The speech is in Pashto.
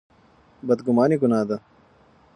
بدګماني ګناه ده.